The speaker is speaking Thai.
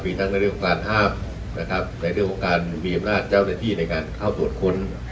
มีทั้งในเรื่องของการห้ามนะครับในเรื่องของการมีอำนาจเจ้าหน้าที่ในการเข้าตรวจค้น